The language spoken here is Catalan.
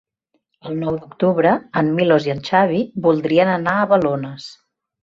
El nou d'octubre en Milos i en Xavi voldrien anar a Balones.